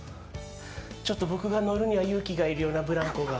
ちょっと僕が乗るには勇気がいるようなブランコが。